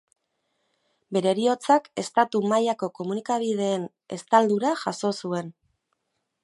Bere heriotzak estatu mailako komunikabideen estaldura jaso zuen.